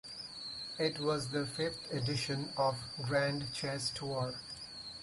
It was the fifth edition of Grand Chess Tour.